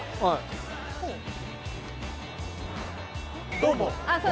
どうも。